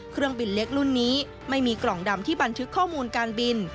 เครื่องบินเล็กรุ่นนี้ไม่มีกล่องดำที่บันทึกข้อมูลการบิน